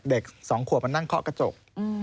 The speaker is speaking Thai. เด็กสองควบมันนั่งเคาะกระจก